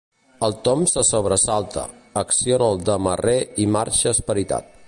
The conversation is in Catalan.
El Tom se sobresalta, acciona el demarrer i marxa esperitat.